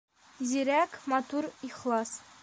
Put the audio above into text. Зирәк, матур, ихлас!